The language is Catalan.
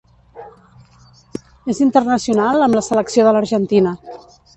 És internacional amb la selecció de l'Argentina.